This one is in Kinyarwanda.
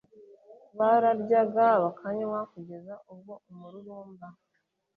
Bararyaga, bakanywa, kugeza ubwo umururumba